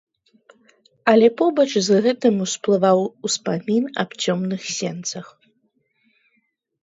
Але побач з гэтым ўсплываў успамін аб цёмных сенцах.